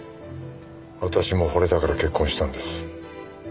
私も惚れたから結婚したんです。